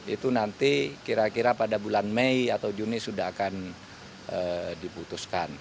itu nanti kira kira pada bulan mei atau juni sudah akan diputuskan